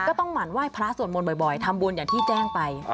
ต้องหมั่นไหว้พระสวดมนต์บ่อยทำบุญอย่างที่แจ้งไป